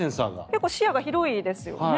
結構、視野が広いですよね。